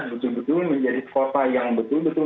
betul betul menjadi kota yang betul betul